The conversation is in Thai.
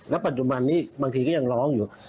ปัจจุบันนี้บางทีก็ยังร้องอยู่